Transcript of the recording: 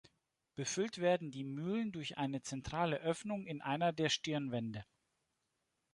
Befüllt werden die Mühlen durch eine zentrale Öffnung in einer der Stirnwände.